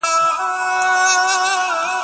هر سرتېری باید د خپل وطن د ساتنې لپاره بیدار واوسي.